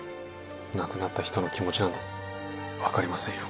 亡くなった人の気持ちなんて分かりませんよ